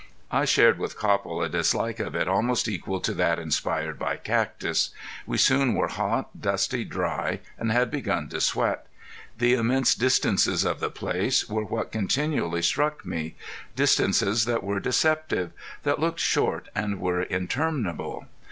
I shared with Copple a dislike of it almost equal to that inspired by cactus. We soon were hot, dusty, dry, and had begun to sweat. The immense distances of the place were what continually struck me. Distances that were deceptive that looked short and were interminable!